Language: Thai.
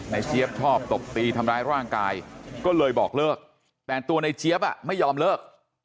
เจี๊ยบชอบตบตีทำร้ายร่างกายก็เลยบอกเลิกแต่ตัวในเจี๊ยบไม่ยอมเลิก